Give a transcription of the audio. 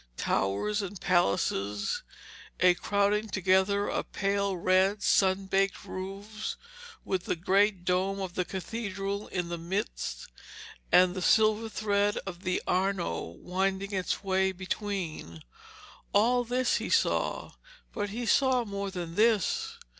Towers and palaces, a crowding together of pale red sunbaked roofs, with the great dome of the cathedral in the midst, and the silver thread of the Arno winding its way between all this he saw, but he saw more than this.